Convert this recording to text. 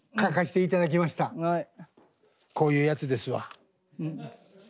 こういうやつですわ。